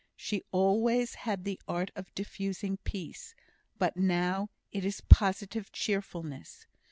She always had the art of diffusing peace, but now it is positive cheerfulness.